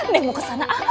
neng mau ke sana ah